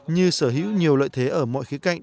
như sở hữu nhiều lợi thế ở mọi khía cạnh